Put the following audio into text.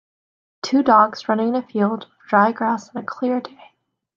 Two dogs running in a field of dry grass on a clear day